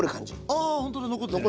ああほんとだ残ってる。